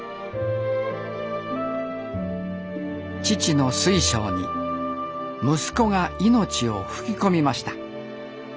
父の水晶に息子が命を吹き込みました。